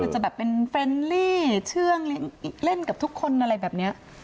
จะแบบเป็นเฟรนลี่เชื่องเล่นกับทุกคนอะไรแบบนี้